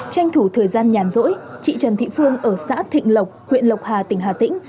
tranh thủ thời gian nhàn rỗi chị trần thị phương ở xã thịnh lộc huyện lộc hà tỉnh hà tĩnh